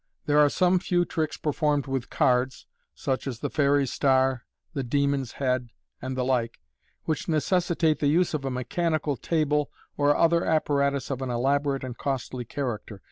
There are some few tricks performed with cards (such as the Fairy Star, the Demon's Head, and the like) which necessitate the use of a mechanical table, or other apparatus of an elaborate and costly character.